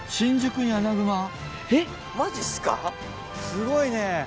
すごいね。